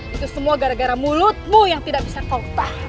itu semua gara gara mulutmu yang tidak bisa koptah